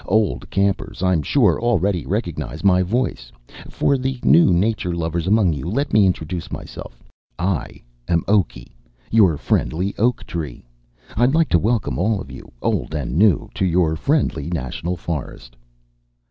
Old campers, I'm sure, already recognize my voice. For the new nature lovers among you, let me introduce myself. I am Oaky, your friendly oak tree. I'd like to welcome all of you, old and new, to your friendly national forest."